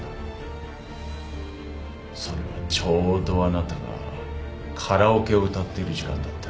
それもちょうどあなたがカラオケを歌ってる時間だった。